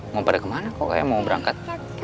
mau pada ke mana kok kayaknya mau berangkat